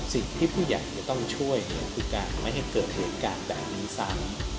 สิ่งที่ผู้ใหญ่จะต้องช่วยคือการไม่ให้เกิดเหตุการณ์แบบนี้ซ้ำ